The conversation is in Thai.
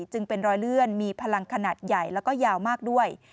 จึงเป็นรอยเลื่อนมีพลังขนาดใหญ่แล้วก็ยาวมากด้วย